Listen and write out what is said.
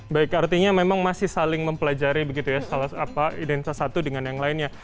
baik artinya memang masih saling mempelajari begitu ya salah identitas satu dengan yang lainnya